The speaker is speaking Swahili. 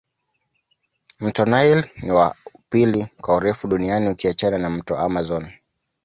Mto nile ni wa pili kwa urefu duniani ukiachana na mto amazon